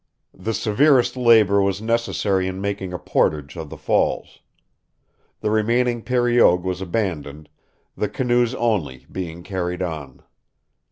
The severest labor was necessary in making a portage of the falls. The remaining periogue was abandoned, the canoes only being carried on.